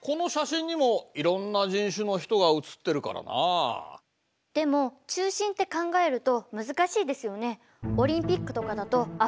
確かにでも中心って考えると難しいですよね。